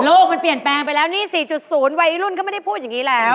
มันเปลี่ยนแปลงไปแล้วนี่๔๐วัยรุ่นก็ไม่ได้พูดอย่างนี้แล้ว